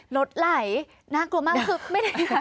รถไหลน่ากลัวมากคือไม่ได้